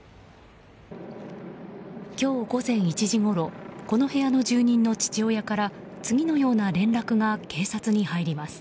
今日午前１時ごろこの部屋の住人の父親から次のような連絡が警察に入ります。